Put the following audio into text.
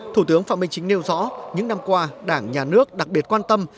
thủ tướng phạm minh chính nêu rõ những năm qua đảng nhà nước đặc biệt quan tâm